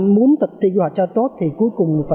muốn thực thi quy hoạch cho tốt thì cuối cùng